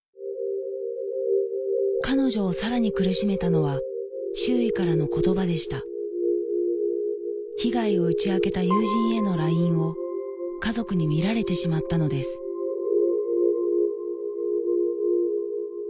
彼女をさらに苦しめたのは周囲からの言葉でした被害を打ち明けた友人へのＬＩＮＥを家族に見られてしまったのです「どうしてくれるの？」みたいな。